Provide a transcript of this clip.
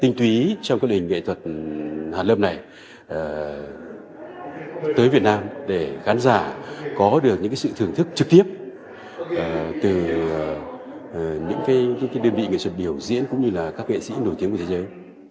tinh túy trong cái hình nghệ thuật hàn lâm này tới việt nam để khán giả có được những sự thưởng thức trực tiếp từ những đơn vị nghệ thuật biểu diễn cũng như là các nghệ sĩ nổi tiếng của thế giới